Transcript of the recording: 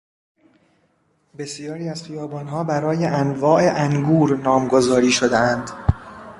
بسیاری از خیابانها برای انواع انگور نامگذاری شده اند.